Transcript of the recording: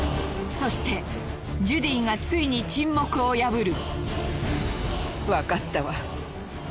そしてジュディがついに沈黙を破る。